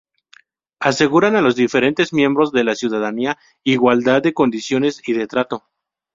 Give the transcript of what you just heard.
Aseguran a los diferentes miembros de la ciudadanía igualdad de condiciones y de trato.